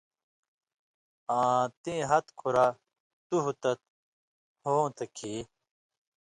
آں تیں ہتہۡ کۡھرہ تُوہہۡ تت ہوں تھہ کھیں